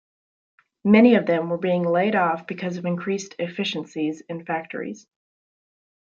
Many of them were being laid off because of increased efficiencies in factories.